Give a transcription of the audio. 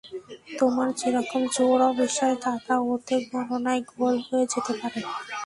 তোমার যেরকম জোর অবিশ্বাস দাদা, ওতে গণনায় গোল হয়ে যেতে পারে।